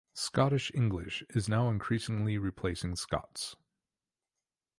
Scottish English is now increasingly replacing Scots.